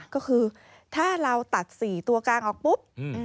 ก็คือถ้าเราตัด๔ตัวกลางออกปุ๊บ